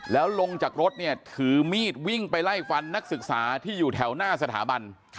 แล้วลงจากรถเนี่ยถือมีดวิ่งไปไล่ฟันนักศึกษาที่อยู่แถวหน้าสถาบัน